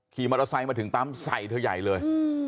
ขี่มอเตอร์ไซค์มาถึงปั๊มใส่เธอใหญ่เลย